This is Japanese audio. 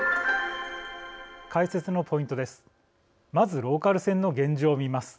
解説のポイントです。